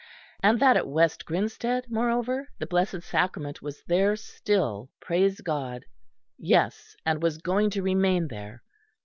And that at West Grinsted, moreover, the Blessed Sacrament was there still praise God yes, and was going to remain there.